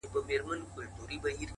نو مو لاس وي له وحشيی نړۍ پرېولی!